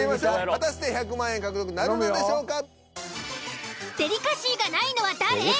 果たして１００万円獲得なるのでしょうか。